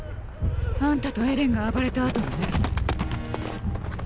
あんたとエレンが暴れた後のね。